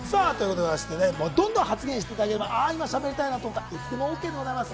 どんどん発言していただければ今、しゃべりたいなと思ったらいつでもＯＫです。